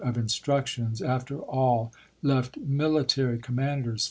V^^^ of instructions after all left military commanders volT"!